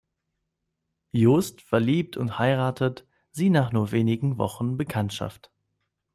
Just verliebt und heiratet sie nach nur wenigen Wochen Bekanntschaft.